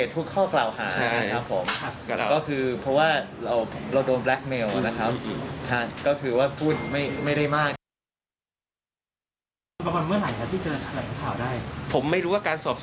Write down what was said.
คุณเอ็มยืนยันว่าครั้งนี้เป็นการเต็มเมย์คุณเอ็มถูกต้องไหมครับ